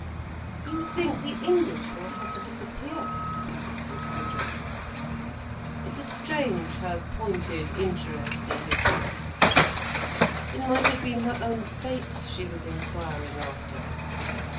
"You think the English will have to disappear?" persisted Gudrun. It was strange, her pointed interest in his answer. It might have been her own fate she was inquiring after.